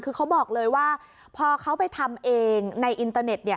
คือเขาบอกเลยว่าพอเขาไปทำเองในอินเตอร์เน็ตเนี่ย